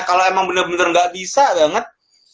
kalau emang bener bener gak bisa banget